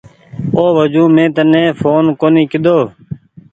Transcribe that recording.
او وجون مين تني ڦون ڪونيٚ ڪيۮو۔